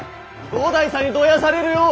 五代さんにどやされるよ！